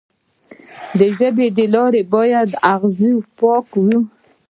د ژبې لاره باید له اغزو پاکه وي.